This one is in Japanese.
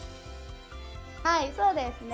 はい、そうですね。